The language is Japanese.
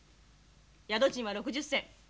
宿賃は６０銭。